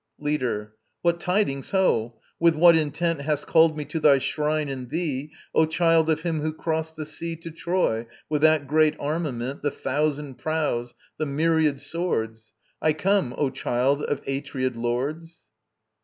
LEADER. What tidings, ho? With what intent Hast called me to thy shrine and thee, O child of him who crossed the sea To Troy with that great armament, The thousand prows, the myriad swords? I come, O child of Atreid Lords.